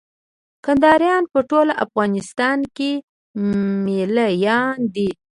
کندهاريان په ټول افغانستان کښي مېله يان دي.